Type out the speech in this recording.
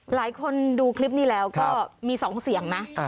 หลายคนดูคลิปนี้แล้วก็มี๒เสียงนะ